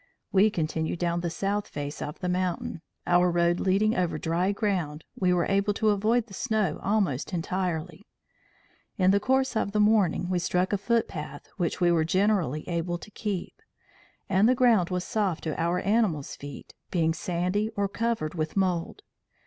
"We continued down the south face of the mountain; our road leading over dry ground, we were able to avoid the snow almost entirely. In the course of the morning we struck a foot path, which we were generally able to keep; and the ground was soft to our animals feet, being sandy or covered with mould.